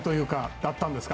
だったんですか？